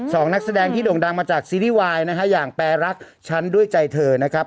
นักแสดงที่โด่งดังมาจากซีรีส์วายนะฮะอย่างแปรรักฉันด้วยใจเธอนะครับ